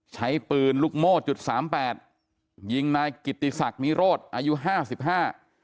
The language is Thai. ใช้ปืนลูกโม่จุดสามแปดยิงนายกิติศักดิ์นิโรธอายุห้าสิบห้า